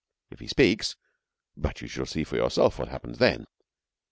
If he speaks but you shall see for yourselves what happens then.